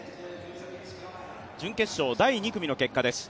準決勝第２組の結果です。